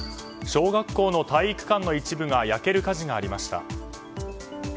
小学校の体育館の一部が焼ける火事がありました。